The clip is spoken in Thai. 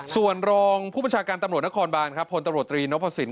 ส่วนรองผู้บัญชาการตำรวจนครบานครับพลตำรวจตรีนพสิน